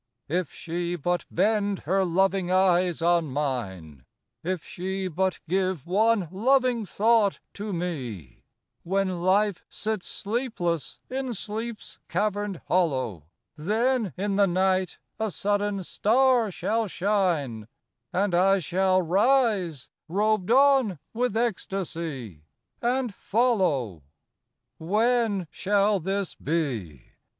III If she but bend her loving eyes on mine, If she but give one loving thought to me, When life sits sleepless in sleep's caverned hollow, Then in the night a sudden star shall shine, And I shall rise, robed on with ecstasy, And follow. IV When shall this be?